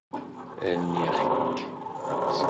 Rniɣ-k.